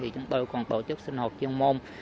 chúng tôi còn tổ chức sinh hoạt chuyên môn